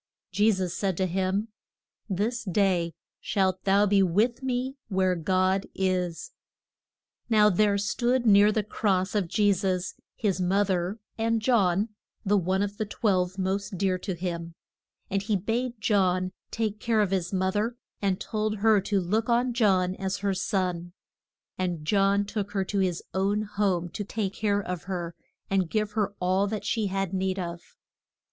Je sus said to him, This day shalt thou be with me where God is. [Illustration: THE CRU CI FIX ION.] Now there stood near the cross of Je sus his mo ther, and John the one of the twelve most dear to him. And he bade John take care of his mo ther, and told her to look on John as her son. And John took her to his own home to take care of her and give her all that she had need of.